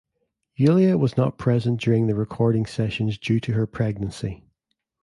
Yulia was not present during the recording sessions due to her pregnancy.